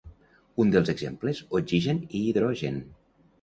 Uns dels exemples: oxigen i hidrogen.